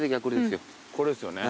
これですよね。